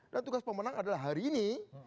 dan tugas pemenang adalah hari ini